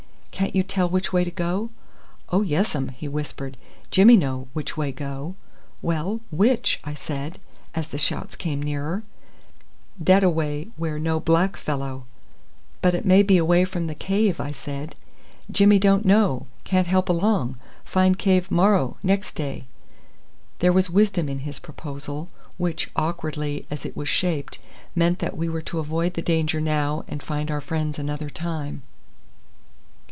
"Can't you tell which way to go?" "Oh yes um," he whispered. "Jimmy know which way go." "Well, which?" I said, as the shouts came nearer. "Dat away where no black fellow." "But it may be away from the cave," I said. "Jimmy don't know, can't help along. Find cave morrow nex day." There was wisdom in his proposal, which, awkwardly as it was shaped, meant that we were to avoid the danger now and find our friends another time.